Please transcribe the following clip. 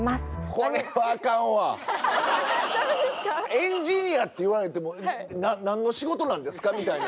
エンジニアって言われても何の仕事なんですか？みたいな。